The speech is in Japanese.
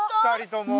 ２人とも。